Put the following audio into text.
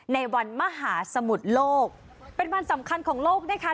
ในวันมหาสมุทรโลกเป็นวันสำคัญของโลกนะคะ